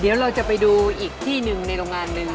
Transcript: เดี๋ยวเราจะไปดูอีกที่หนึ่งในโรงงานหนึ่ง